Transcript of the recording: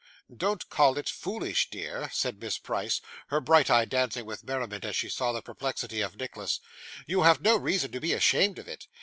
'Don't call it foolish, dear,' said Miss Price: her bright eye dancing with merriment as she saw the perplexity of Nicholas; 'you have no reason to be ashamed of it.